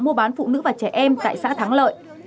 mua bán phụ nữ và trẻ em tại xã thắng lợi